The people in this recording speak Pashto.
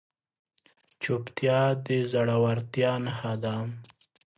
چوپتیا، د زړورتیا نښه ده.